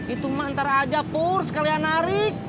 itu mah ntar aja pur sekalian hari